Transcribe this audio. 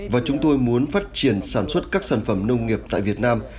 và chúng tôi muốn phát triển sản xuất các sản phẩm nông nghiệp tại việt nam